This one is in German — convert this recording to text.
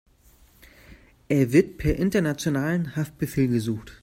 Er wird per internationalem Haftbefehl gesucht.